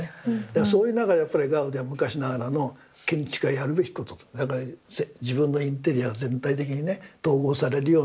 そういう中でやっぱりガウディは昔ながらの建築家がやるべきことだから自分のインテリア全体的にね統合されるような発想なんでしょうね。